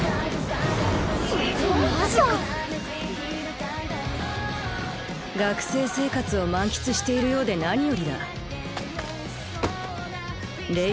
・マジか学生生活を満喫しているようで何よりだレイ＝